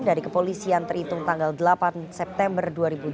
dari kepolisian terhitung tanggal delapan september dua ribu dua puluh